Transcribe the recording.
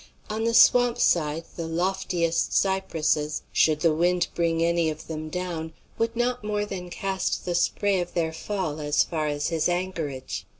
On the swamp side the loftiest cypresses, should the wind bring any of them down, would not more than cast the spray of their fall as far as his anchorage.